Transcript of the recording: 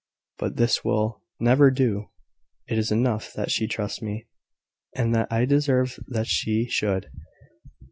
But this will never do. It is enough that she trusts me, and that I deserve that she should.